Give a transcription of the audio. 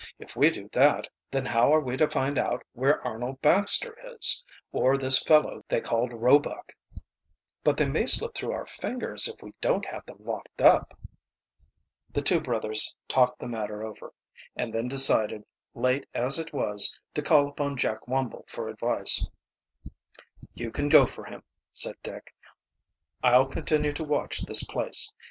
"If we do that then how are we to find out where Arnold Baxter is, or this fellow they called Roebuck?" "But they may slip through our fingers if we don't have them locked up." The two brothers talked the matter ever, and then decided, late as it was, to call upon Jack Wumble for advice. "You can go for him," said Dick. "I'll continue to watch this place.